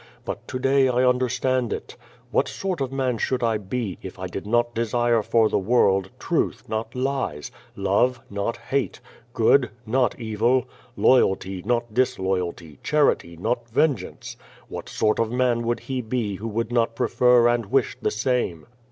But to day I understand it. What sort of man should I be, if 1 did not desire for the world, truth, not lies; love, not hate; good, not evil; lo3'alty, not disloyalty; charity, not vengeance? What sort of man would he be who would not prefer and wish the same?